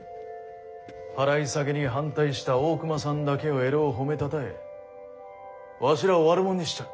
払い下げに反対した大隈さんだけをえろう褒めたたえわしらを悪者にしちょる。